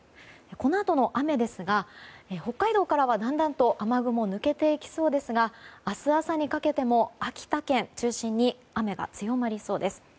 このあとの雨ですが北海道からはだんだんと雨雲抜けていきそうですが明日朝にかけても秋田県中心に雨が強まりそうです。